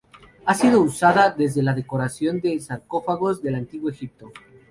Ha sido usada desde la decoración de sarcófagos del antiguo Egipto.